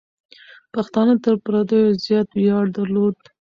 پښتانه تر پردیو زیات ویاړ درلود.